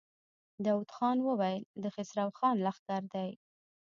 داوود خان وويل: د خسرو خان لښکر دی.